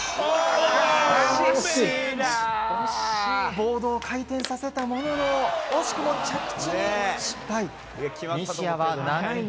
ボードを回転させたものの惜しくも着地に失敗。